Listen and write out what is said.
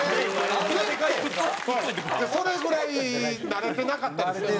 それぐらい慣れてなかったですね。